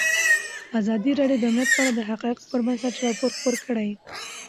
ازادي راډیو د امنیت په اړه د حقایقو پر بنسټ راپور خپور کړی.